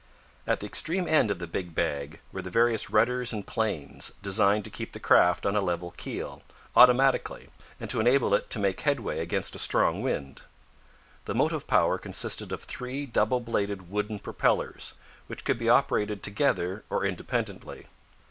At the extreme end of the big bag were the various rudders and planes, designed to keep the craft on a level keel, automatically, and to enable it to make headway against a strong wind. The motive power consisted of three double bladed wooden propellers, which could be operated together or independently.